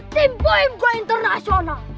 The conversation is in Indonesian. tim poin gua internasional